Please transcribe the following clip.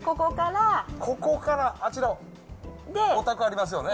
ここからあちらのお宅ありま